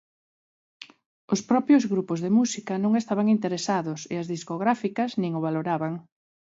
Os propios grupos de música non estaban interesados e as discográficas nin o valoraban.